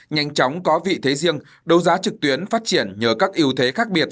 nhanh chóng có vị thế riêng đấu giá trực tuyến phát triển nhờ các yêu thế khác biệt